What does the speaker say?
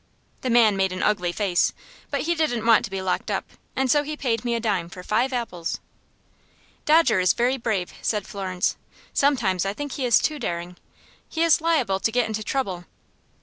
"The man made up an ugly face, but he didn't want to be locked up, and so he paid me a dime for five apples." "Dodger is very brave," said Florence. "Sometimes I think he is too daring. He is liable to get into trouble."